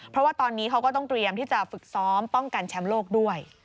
เพราะว่าตอนนี้เขาก็ต้องเตรียมที่จะฝึกซ้อมป้องกันแชมป์โลกด้วย